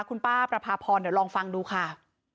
คุณป้าประพาพรเดี๋ยวลองฟังดูค่ะ